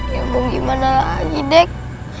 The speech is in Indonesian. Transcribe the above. ya mau gimana lagi dek